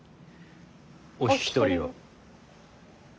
お引き取りを。